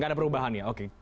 tidak ada perubahan ya oke